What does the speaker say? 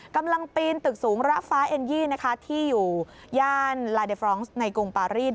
กำลังปีนตึกสูงระฟ้าเอ็นยี่นะคะที่อยู่ย่านลาเดฟรองซ์ในกรุงปารีส